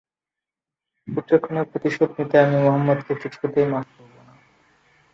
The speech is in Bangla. পুত্রের খুনের প্রতিশোধ নিতে আমি মুহাম্মাদকে কিছুতেই মাফ করব না।